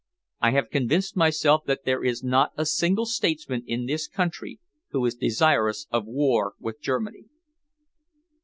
I have convinced myself that there is not a single statesman in this country who is desirous of war with Germany."